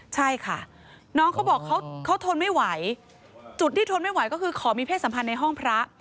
ใช่ค่ะน้องเขาบอกเขาทนไม่ไหวจุดที่ทนไม่ไหวก็คือขอมีเพศสัมพันธ์ในห้องพระ